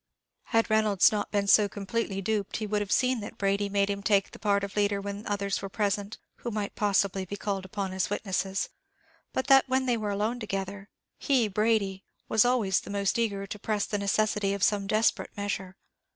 Had Reynolds not been so completely duped, he would have seen that Brady made him take the part of leader when others were present, who might possibly be called upon as witnesses; but that when they were alone together, he, Brady, was always the most eager to press the necessity of some desperate measure.